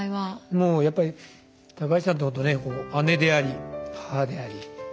もうやっぱり高橋さんってほんとね姉であり母であり。